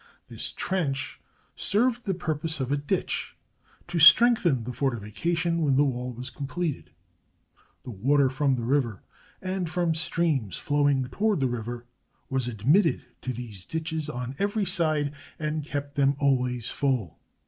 This trench served the pur pose of a ditch, to strengthen the fortification when the wall was completed. The water from the river, and from streams flowing toward the river, was admitted to these ditches on every side, and kept them always full.